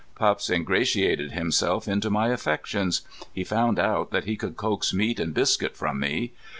Pups ingratiated himself into my affections. He found out that he could coax meat and biscuit from me.